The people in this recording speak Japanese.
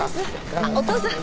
あっお父さん。